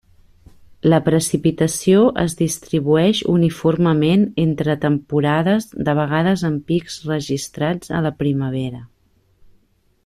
La precipitació es distribueix uniformement entre temporades, de vegades amb pics registrats a la primavera.